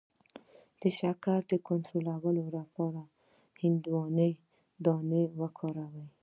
د شکر د کنټرول لپاره د هندواڼې تخم وکاروئ